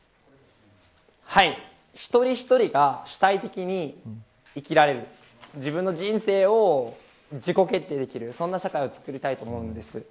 一人一人が主体的に生きられて自分の人生を自己決定できるそんな社会をつくりたいと思っています。